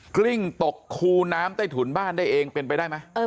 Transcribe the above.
กลิ้งตกคูน้ำใต้ถุนบ้านได้เองเป็นไปได้ไหม